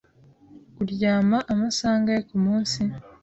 Uryama amasaha angahe kumunsi?